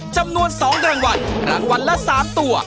จำนวน๒รางวัลรางวัลละ๓ตัว